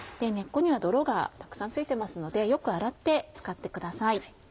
根っこには泥がたくさん付いてますのでよく洗って使ってください。